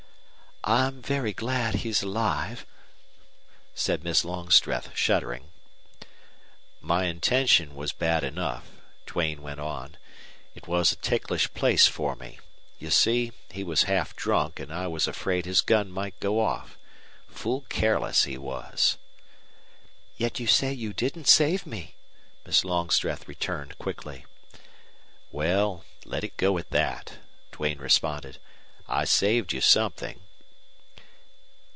"I'm very glad he's alive," said Miss Longstreth, shuddering. "My intention was bad enough," Duane went on. "It was a ticklish place for me. You see, he was half drunk, and I was afraid his gun might go off. Fool careless he was!" "Yet you say you didn't save me," Miss Longstreth returned, quickly. "Well, let it go at that," Duane responded. "I saved you something."